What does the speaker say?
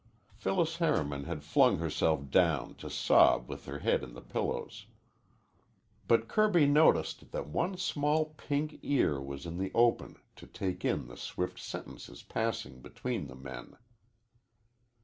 Phyllis Harriman had flung herself down to sob with her head in the pillows. But Kirby noticed that one small pink ear was in the open to take in the swift sentences passing between the men.